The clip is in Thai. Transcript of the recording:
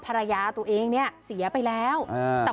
ภรรยาตัวเองเนี่ยเสียไปแล้วอ่า